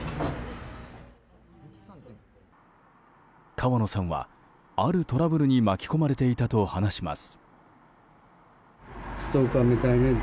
川野さんは、あるトラブルに巻き込まれていたと話します。